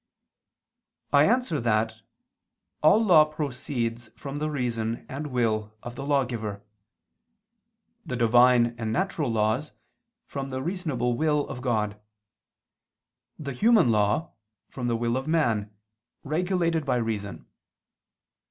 I answer that, All law proceeds from the reason and will of the lawgiver; the Divine and natural laws from the reasonable will of God; the human law from the will of man, regulated by reason.